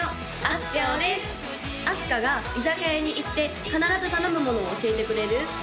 あすかが居酒屋に行って必ず頼むものを教えてくれる？